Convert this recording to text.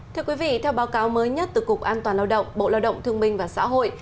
thưa quý vị theo báo cáo mới nhất từ cục an toàn lao động bộ lao động thương minh và xã hội